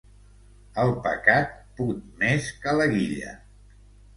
El pecat put més que la guilla.